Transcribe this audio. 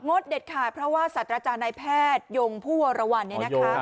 ดเด็ดขาดเพราะว่าสัตว์อาจารย์นายแพทยงผู้วรวรรณเนี่ยนะคะ